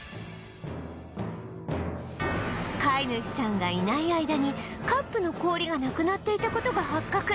飼い主さんがいない間にカップの氷がなくなっていた事が発覚